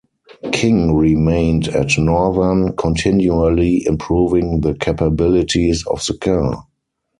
King remained at Northern, continually improving the capabilities of the car.